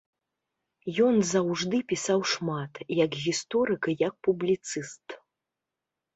Ён заўжды пісаў шмат, як гісторык і як публіцыст.